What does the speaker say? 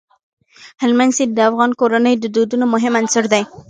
هلمند سیند د افغان کورنیو د دودونو مهم عنصر دی.